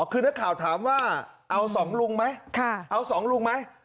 คือนักข่าวถามว่าเอา๒ลุงไหมเอา๒ลุงไหม